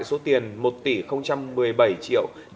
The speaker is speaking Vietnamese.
số tiền một tỷ một mươi bảy triệu